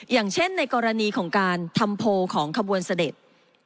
อย่างเช่นในกรณีของการทำโพลของขบวนเสด็จ